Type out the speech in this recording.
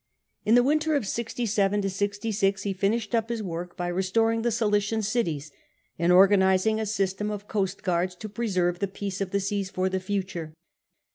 In the winter of 67 66 he was finishing up his work by restoring the Cilician cities, and organising a system of coastguards to preserve the peace of the seas for the future.